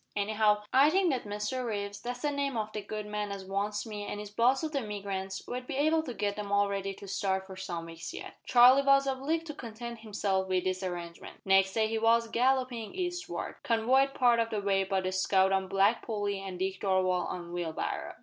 Anyhow, I think that Mr Reeves that's the name o' the good man as wants me an' is boss o' the emigrants won't be able to git them all ready to start for some weeks yet." Charlie was obliged to content himself with this arrangement. Next day he was galloping eastward convoyed part of the way by the scout on Black Polly and Dick Darvall on Wheelbarrow.